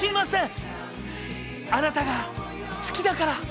あなたが好きだから！